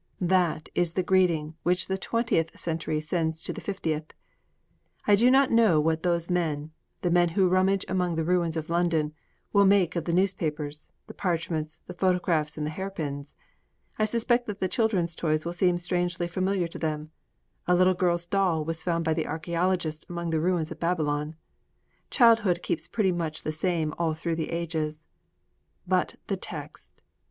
That is the greeting which the Twentieth Century sends to the Fiftieth! I do not know what those men the men who rummage among the ruins of London will make of the newspapers, the parchments, the photographs and the hairpins. I suspect that the children's toys will seem strangely familiar to them: a little girl's doll was found by the archæologists among the ruins of Babylon: childhood keeps pretty much the same all through the ages. But the text!